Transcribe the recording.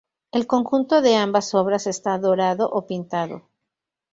El conjunto de ambas obras está dorado o pintado.